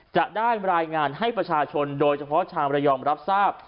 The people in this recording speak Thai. จะได้รายงานให้ประชาชนโดยเฉพาะชาวระยองรับทราบ